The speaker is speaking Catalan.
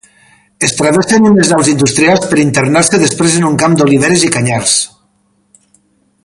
Es travessen unes naus industrials per internar-se després en un camp d'oliveres i canyars.